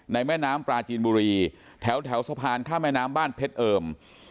แม่น้ำปลาจีนบุรีแถวสะพานข้ามแม่น้ำบ้านเพชรเอิม